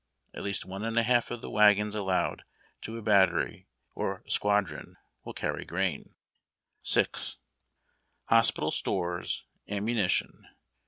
At least one and a half of the wagons allowed to a battery or squadron will carry grain. VI. Hospital stores, ammunition.